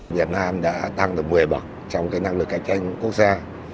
việt nam đã tăng được một mươi bắc trong cái năng lực cạnh tranh quốc gia